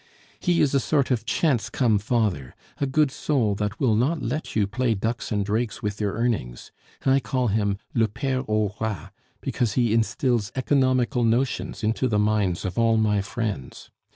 He is a sort of chance come father a good soul that will not let you play ducks and drakes with your earnings; I call him Le Pere aux Rats, because he instils economical notions into the minds of all my friends.